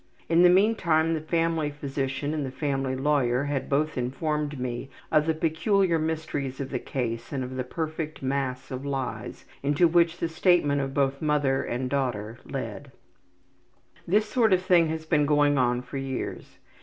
In the meantime the family physician and the family lawyer had both informed me of the peculiar mysteries of the case and of the perfect mass of lies into which the statements of both mother and daughter led. This sort of thing had been going on for years.